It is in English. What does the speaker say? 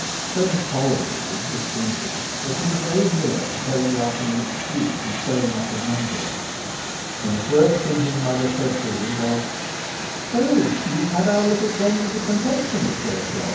So intolerable did this seem to him that he was very near to telegraphing an excuse and staying up in London. And the first thing his mother said to him was: "So you've had our little friend of the confectioner's there, Jon.